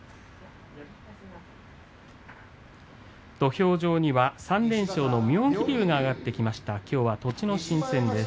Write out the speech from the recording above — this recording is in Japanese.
土俵上には３連勝の妙義龍が上がっています。